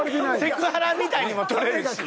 セクハラみたいにも取れるし。